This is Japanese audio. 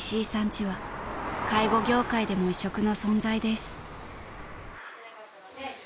家は介護業界でも異色の存在です］